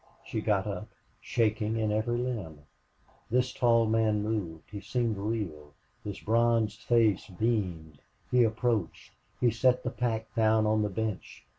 She got up, shaking in every limb. This tall man moved; he seemed real; his bronzed face beamed. He approached; he set the pack down on the bench.